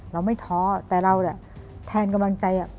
เราไม่ท้อแต่แทนกำลังใจอ่ะ